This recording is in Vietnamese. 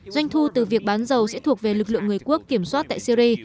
doanh thu từ việc bán dầu sẽ thuộc về lực lượng người quốc kiểm soát tại syri